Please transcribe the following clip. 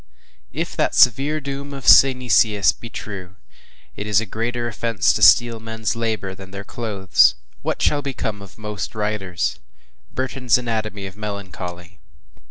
If that severe doom of Synesius be true, “It is a greater offence to steal dead men’s labor, than their clothes,” what shall become of most writers? BURTON’S ANATOMY OF MELANCHOLY.